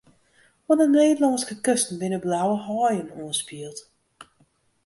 Oan 'e Nederlânske kusten binne blauwe haaien oanspield.